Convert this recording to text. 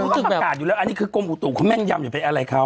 อ๋อเพราะว่าประกาศอยู่แล้วอันนี้คือกลมอุตุกเขาแม่นยำอยู่ไปอะไรเขา